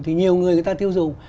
thì nhiều người người ta tiêu dùng